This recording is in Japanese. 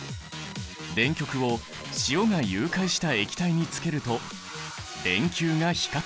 電極を塩が融解した液体につけると電球が光った。